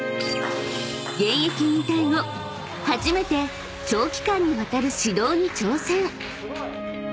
［現役引退後初めて長期間にわたる指導に挑戦］